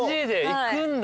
行くんだ。